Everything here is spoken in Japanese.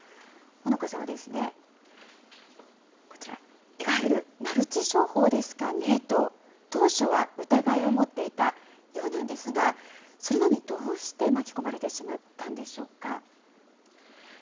ほのかさんは、こちら、いわゆるマルチ商法ですかね？と当初は疑いを持っていたようなんですが、それなのに、どうして巻き込まれてしまったんでしょうか？